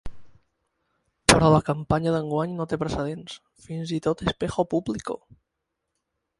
Però la campanya d’enguany no té precedents, fins i tot “Espejo Público”!